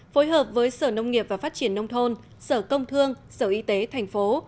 phối hợp với sở nông nghiệp và phát triển nông thôn sở công thương sở y tế thành phố